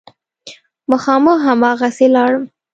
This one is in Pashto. مخامخ هماغسې لاړم.